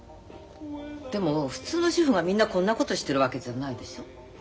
でも普通の主婦がみんなこんなことしてるわけじゃないでしょう？